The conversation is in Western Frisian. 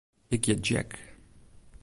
Ik hjit Jack.